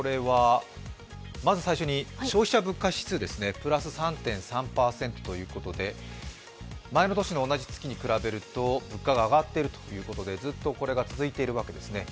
まず最初に消費者物価指数ですねプラス３．３％ということで、前の年の同じ月に比べると物価が上がっているということで、ずっとこれが続いているわけですね。